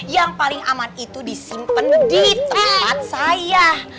yang paling aman itu disimpen di tempat saya